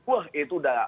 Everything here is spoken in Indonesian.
wah itu sudah